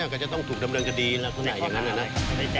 ก็จะต้องถูกดำเนินคดีลักษณะอย่างนั้นนะ